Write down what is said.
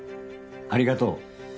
ありがとう。